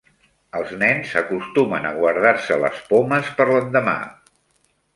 Els nens acostumen a guardar-se les pomes per l'endemà.